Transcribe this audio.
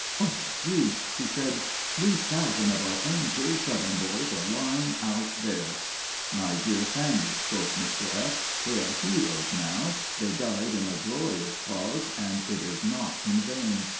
"O G.!" she said, "three thousand of our own, dear Southern boys are lying out there." "My dear Fannie," spoke Mr. F., "they are heroes now. They died in a glorious cause, and it is not in vain.